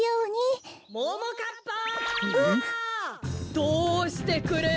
どうしてくれる！